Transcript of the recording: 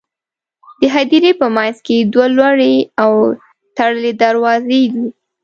د هدیرې په منځ کې دوه لوړې او تړلې دروازې دي.